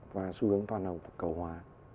và xu hướng toàn hậu cầu hòa